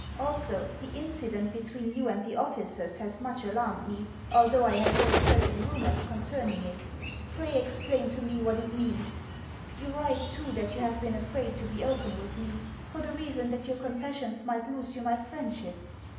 Also, the incident between you and the officers has much alarmed me, although I had heard certain rumours concerning it. Pray explain to me what it means. You write, too, that you have been afraid to be open with me, for the reason that your confessions might lose you my friendship.